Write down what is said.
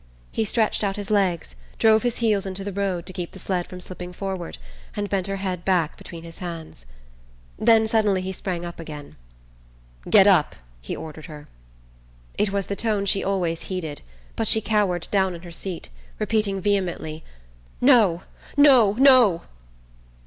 He stretched out his legs, drove his heels into the road to keep the sled from slipping forward, and bent her head back between his hands. Then suddenly he sprang up again. "Get up," he ordered her. It was the tone she always heeded, but she cowered down in her seat, repeating vehemently: "No, no, no!"